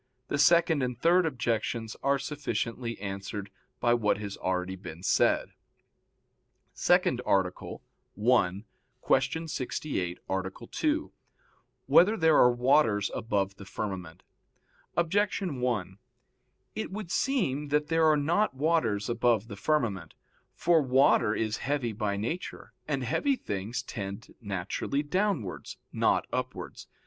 The second and third objections are sufficiently answered by what has been already said. _______________________ SECOND ARTICLE [I, Q. 68, Art. 2] Whether There Are Waters Above the Firmament? Objection 1: It would seem that there are not waters above the firmament. For water is heavy by nature, and heavy things tend naturally downwards, not upwards.